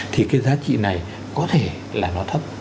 thì cái giá trị này có thể là nó thấp